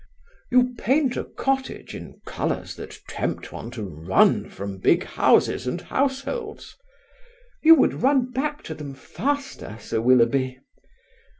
"You paint a cottage in colours that tempt one to run from big houses and households." "You would run back to them faster, Sir Willoughby."